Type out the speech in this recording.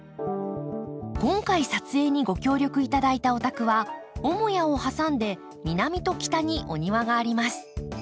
今回撮影にご協力頂いたお宅は母屋を挟んで南と北にお庭があります。